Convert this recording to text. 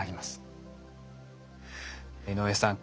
井上さん